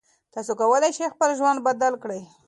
تاسو کولی شئ خپل ژوند بدل کړئ.